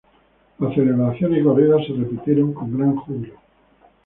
Las celebraciones y corridas se repitieron con gran júbilo.